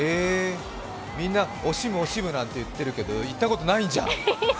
みんな、惜しむ惜しむなんて言ってるけど、行ったことないじゃん。